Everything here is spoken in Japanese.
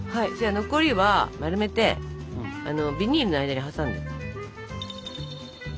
残りは丸めてビニールの間に挟んで。